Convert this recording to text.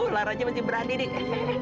raranya masih berani nih